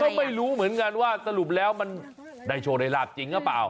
ก็ไม่รู้เหมือนกันว่าสรุปแล้วมันได้โชคได้ลาบจริงหรือเปล่า